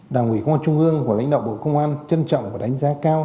đảng ủy công an trung ương và lãnh đạo bộ công an trân trọng và đánh giá cao